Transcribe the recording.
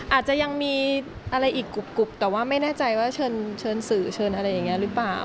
อาจจะยังมีอะไรอีกกรุบแต่ว่าไม่แน่ใจว่าเชิญสื่อเชิญอะไรอย่างนี้หรือเปล่า